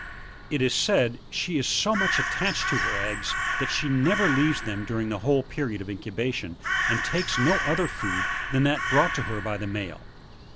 It is said, she is so much attached to her eggs, that she never leaves them during the whole period of incu bation, and takes no other food than that brought to her by the male.